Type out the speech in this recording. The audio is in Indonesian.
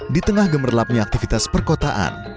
di tengah gemerlapnya aktivitas perkotaan